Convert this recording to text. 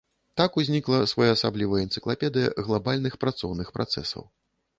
Так узнікла своеасаблівая энцыклапедыя глабальных працоўных працэсаў.